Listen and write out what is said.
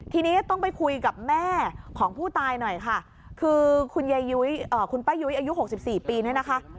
ทีนี้ต้องไปคุยกับแม่ของผู้ตายหน่อยค่ะคือคุณยายุ้ยคุณป้ายุ้ยอายุ๖๔ปีเนี่ยนะคะ